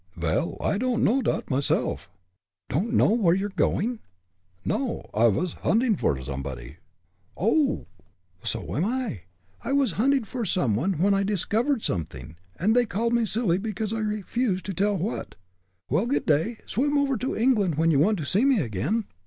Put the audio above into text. "Vel, I don'd know dot myself." "Don't know where you're going?" "No; I vas huntin' vor somebody." "Oho! so am I! I was huntin' for some one, when I discovered something, and they called me silly because I refused to tell what. Well, good day; swim over to England when you want to see me again."